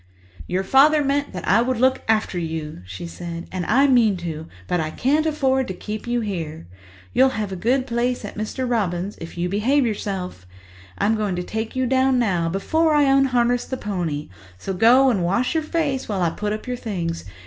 "Your father meant that I would look after you," she said, "and I mean to, but I can't afford to keep you here. You'll have a good place at Mr. Robins', if you behave yourself. I'm going to take you down now, before I unharness the pony, so go and wash your face while I put up your things.